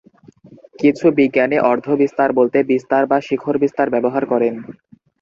কিছু বিজ্ঞানী অর্ধ-বিস্তার বলতে "বিস্তার" বা "শিখর বিস্তার" ব্যবহার করেন।